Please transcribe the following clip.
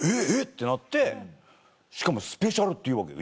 てなってしかもスペシャルって言うわけよ